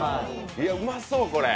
いや、うまそう、これ。